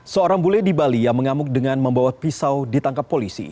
seorang bule di bali yang mengamuk dengan membawa pisau ditangkap polisi